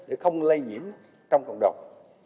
để không lây nhiễm trong cộng đồng